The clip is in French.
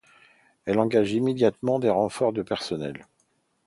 Elle engage immédiatement des renforts de personnel.